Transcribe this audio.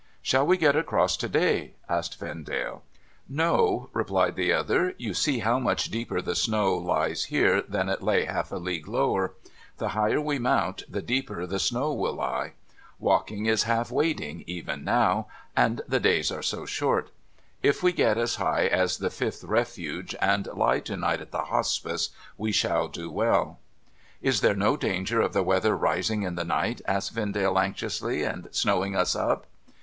' Shall we get across to day ?' asked Vendale. ' No,' replied the other. ' You see how much deeper the snow lies here than it lay half a league lower. The higher we mount the deeper the snow will lie. Walking is half wading even now. And the days are so short ! If we get as high as the fifth Refuge, and lie to night at the Hospice, we shall do well.' ' Is there no danger of the weather rising in the night,' asked Vendale, anxiously, ' and snowing us up